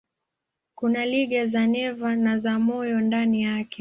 Kuna liga za neva na za moyo ndani yake.